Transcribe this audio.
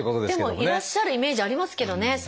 でもいらっしゃるイメージありますけどね。